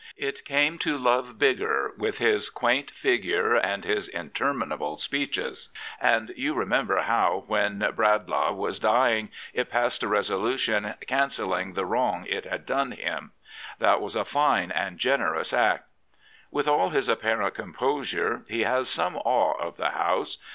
It came to love Biggar with his qy^nt figure and his interminable speeches. And you remember how, when Bradlaugh was dying, it passed a resolution cancelling the wrong it had done him. That was a fine and generous act," With all his apparent composure he has some awe of the House.